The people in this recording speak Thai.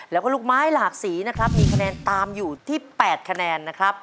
แล้วก็ลูกไม้หลากสีนะครับมีคะแนนตามอยู่ที่๘คะแนนนะครับ